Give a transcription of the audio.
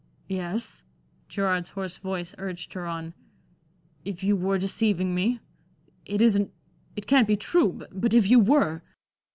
"Yes?" Gerard's hoarse voice urged her on. "If you were deceiving me? It isn't it can't be true, but if you were?"